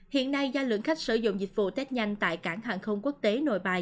hiện nay do lượng khách sử dụng dịch vụ tết nhanh tại cảng hàng không quốc tế nội bài